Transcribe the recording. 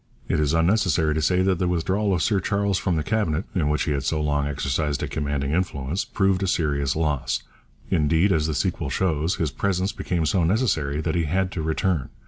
It is unnecessary to say that the withdrawal of Sir Charles from the Cabinet, in which he had so long exercised a commanding influence, proved a serious loss. Indeed, as the sequel shows, his presence became so necessary that he had to return.